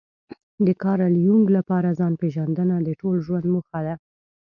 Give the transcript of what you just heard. د کارل يونګ لپاره ځان پېژندنه د ټول ژوند موخه ده.